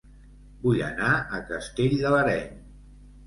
Vull anar a Castell de l'Areny